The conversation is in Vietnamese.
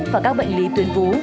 và các bệnh lý tuyến vú